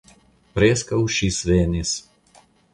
Preskaŭ ŝi svenis.